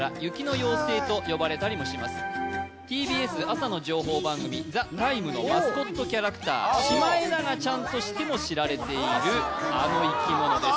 ＴＢＳ朝の情報番組「ＴＨＥＴＩＭＥ，」のマスコットキャラクターシマエナガちゃんとしても知られているあの生き物です